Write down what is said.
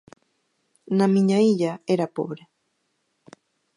Na miña illa era pobre.